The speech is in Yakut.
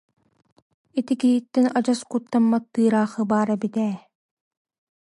Ити киһиттэн адьас кут- таммат тыыраахы баар эбит ээ